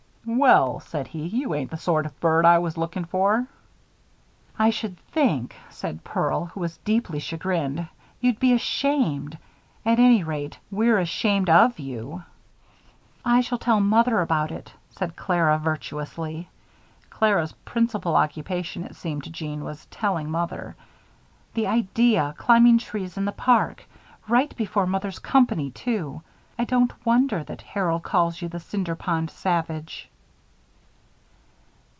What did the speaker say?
"Well," said he, "you ain't the sort of bird I was lookin' for." "I should think," said Pearl, who was deeply chagrined, "you'd be ashamed. At any rate, we're ashamed of you." "I shall tell mother about it," said Clara, virtuously. (Clara's principal occupation, it seemed to Jeanne, was telling mother.) "The idea! Climbing trees in the park! Right before mother's company, too. I don't wonder that Harold calls you the Cinder Pond Savage."